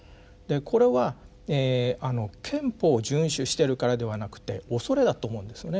これは憲法を遵守してるからではなくて恐れだと思うんですよね。